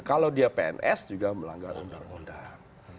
kalau dia pns juga melanggar undang undang